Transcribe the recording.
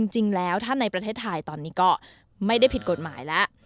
จริงแล้วถ้าในประเทศไทยตอนนี้ก็ไม่ได้ผิดกฎหมายแล้ว